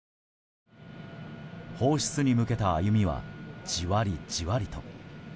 放出に向けた歩みはじわりじわりと。